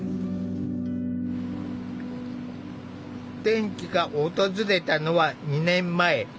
転機が訪れたのは２年前。